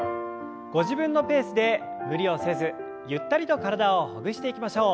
ご自分のペースで無理をせずゆったりと体をほぐしていきましょう。